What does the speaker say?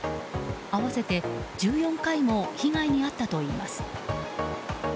合わせて１４回も被害に遭ったといいます。